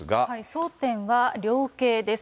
争点は量刑です。